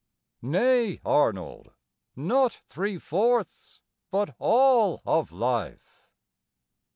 Nay, Arnold, not "three fourths" but all "of life"!